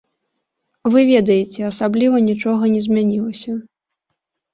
Вы ведаеце, асабліва нічога не змянілася.